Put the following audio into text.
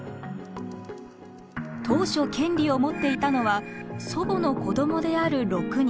当初権利を持っていたのは祖母の子供である６人。